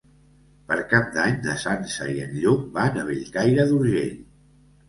Per Cap d'Any na Sança i en Lluc van a Bellcaire d'Urgell.